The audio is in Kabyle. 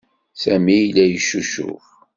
Sami yella yeccucuf.